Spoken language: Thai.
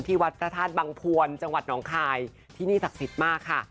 วัดพระธาตุบังพวนจังหวัดหนองคายที่นี่ศักดิ์สิทธิ์มากค่ะ